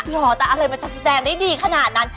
เหรอแต่อะไรมันจะแสดงได้ดีขนาดนั้น